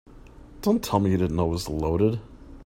Don't tell me you didn't know it was loaded.